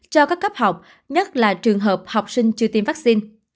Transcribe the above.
cho các cấp học nhất là trường hợp học sinh chưa tiêm vaccine